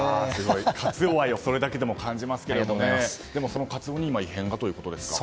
カツオ愛をそれだけでも感じますけどでも、そのカツオに今、異変がということですか。